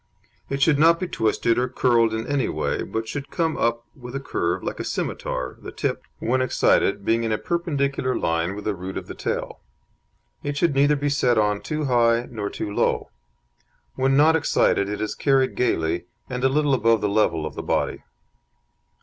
It should not be twisted or curled in any way, but should come up with a curve like a scimitar, the tip, when excited, being in a perpendicular line with the root of the tail. It should neither be set on too high nor too low. When not excited it is carried gaily, and a little above the level of the body.